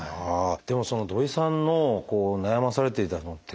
でも土井さんの悩まされていた低血糖。